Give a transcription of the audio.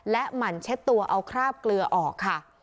หมั่นเช็ดตัวเอาคราบเกลือออกค่ะ